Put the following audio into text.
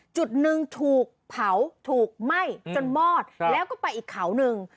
จุดหนึ่งถูกเผาถูกไหม้จนมอดแล้วก็ไปอีกเขาหนึ่ง